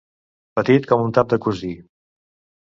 Petit com un tap de cossi.